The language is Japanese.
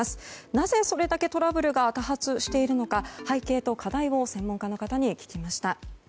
なぜそれだけトラブルが多発しているのか背景と課題を専門家の方に聞きました。